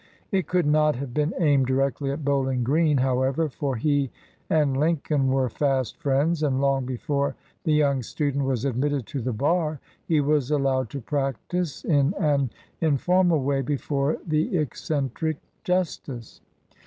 It could not have been aimed directly at Bowling Green, 1 however, for he and Lincoln were fast friends, and long before the j^oung student was admitted to the bar he was allowed to practise in an infor mal way before the eccentric justice.